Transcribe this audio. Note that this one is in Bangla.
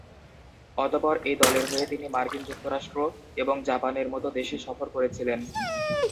অতপর এই দলের হয়ে তিনি মার্কিন যুক্তরাষ্ট্র এবং জাপানের মতো দেশে সফর করেছিলেন।